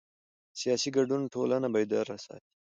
سیاسي ګډون ټولنه بیداره ساتي